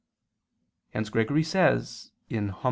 Hence Gregory says (Hom.